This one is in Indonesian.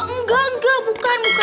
enggak enggak bukan bukan dia telingkuk